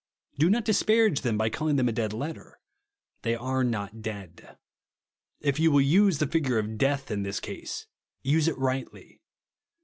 Do not disparage them by calling them "a dead letter." They are not dead. If you will use the figure of " death" in this case, use it rightly.